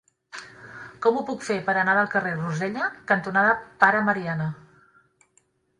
Com ho puc fer per anar al carrer Rosella cantonada Pare Mariana?